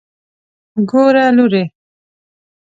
ګوره لورې.